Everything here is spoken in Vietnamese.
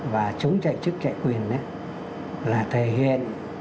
và chống chạy chức chạy quyền là thể hiện